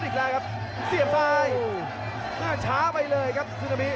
รี่บิ๊งขวางหน้าเจอกับ